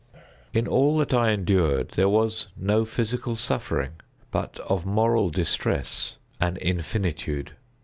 In all that I endured there was no physical suffering but of moral distress an infinitude.